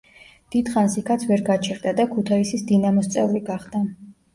დიდხანს იქაც ვერ გაჩერდა და „ქუთაისის დინამოს“ წევრი გახდა.